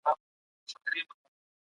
خواړه د خوب کیفیت اغېزمنوي.